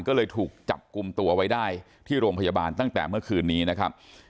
ก็เลยถูกจับกลุ่มตัวไว้ได้ที่โรงพยาบาลตั้งแต่เมื่อคืนนี้นะครับ